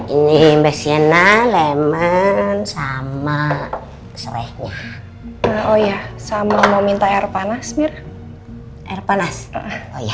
ini mbak sienna lemon sama serai nya oh ya sama mau minta air panas mir air panas oh ya